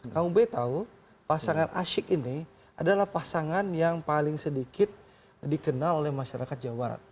kang ubei tahu pasangan asyik ini adalah pasangan yang paling sedikit dikenal oleh masyarakat jawa barat